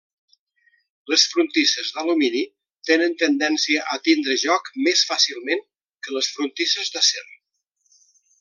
Les frontisses d'alumini tenen tendència a tindre joc més fàcilment que les frontisses d'acer.